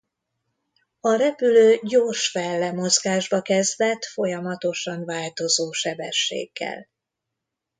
A repülő gyors fel-le mozgásba kezdett folyamatosan változó sebességgel.